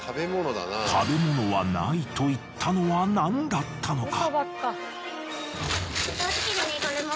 食べ物はないと言ったのは何だったのか？